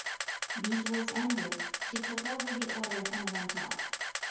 These words ended, she took over the order and went off.